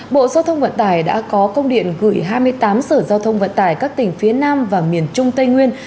bộ giao thông vận tải đã có công điện gửi hai mươi tám sở giao thông vận tải các tỉnh phía nam và miền trung tây nguyên